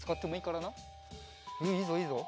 うんいいぞいいぞ。